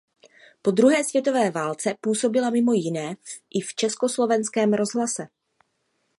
Po druhé světové válce působila mimo jiné i v Československém rozhlase.